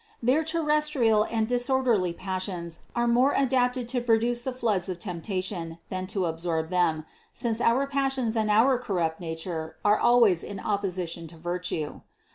Their terrestrial and disor derly passions are more adapted to produce the floods of temptation, than to absorb them, since our passions and our corrupt nature are always in opposition to virtue.